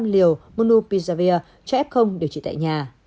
bảy trăm chín mươi năm liều monopizavir cho f điều trị tại nhà